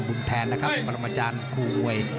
บุญแทนนะครับพระอำจารย์ครูอวย